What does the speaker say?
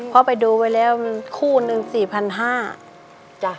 พ่อไปดูไว้แล้วคู่๑คู่๔๕๐๐บาท